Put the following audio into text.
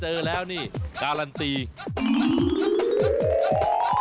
หนึ่งศูนย์